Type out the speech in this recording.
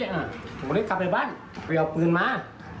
ผมเลยกลับไปบ้านไปเอาปืนมา